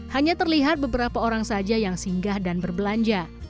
hanya terlihat beberapa orang saja yang singgah dan berbelanja